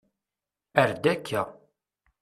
Err-d akka.